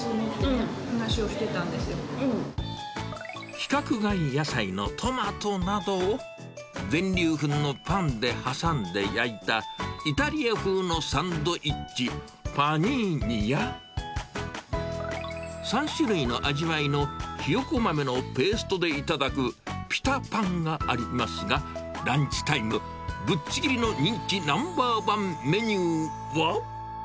規格外野菜のトマトなどを、全粒粉のパンで挟んで焼いたイタリア風のサンドイッチ、パニーニや、３種類の味わいのひよこ豆のペーストで頂くピタパンがありますが、ランチタイムぶっちぎりの人気ナンバー１メニューは。